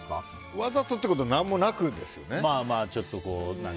わざとってことは何もなくですよね。